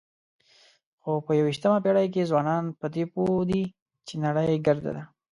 خو په یوویشتمه پېړۍ کې ځوانان په دې پوه دي چې نړۍ ګرده ده.